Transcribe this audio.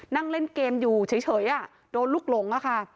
นั่งเล่นเกมอยู่เฉยโดนลูกหลงอะค่ะ